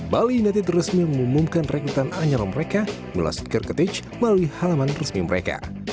bali united resmi mengumumkan rekrutan anyaro mereka melalui karketage melalui halaman resmi mereka